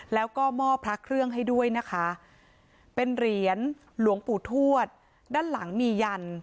แล้วก็มอบพระเครื่องให้ด้วยนะคะเป็นเหรียญหลวงปู่ทวดด้านหลังมียัน